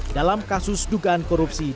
dalam kasus dugaan korupsi